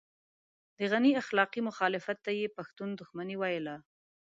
د غني اخلاقي مخالفت ته يې پښتون دښمني ويله.